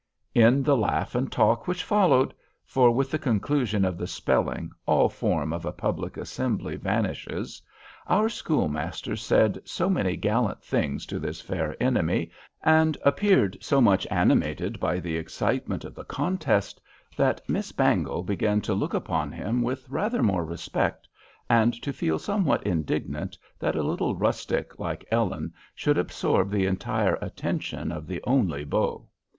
In the laugh and talk which followed (for with the conclusion of the spelling, all form of a public assembly vanishes), our schoolmaster said so many gallant things to his fair enemy, and appeared so much animated by the excitement of the contest, that Miss Bangle began to look upon him with rather more respect, and to feel somewhat indignant that a little rustic like Ellen should absorb the entire attention of the only beau.